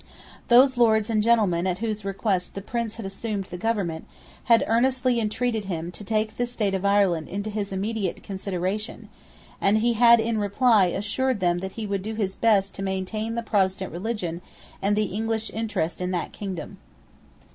Those lords and gentlemen at whose request the Prince had assumed the government, had earnestly intreated him to take the state of Ireland into his immediate consideration; and he had in reply assured them that he would do his best to maintain the Protestant religion and the English interest in that kingdom.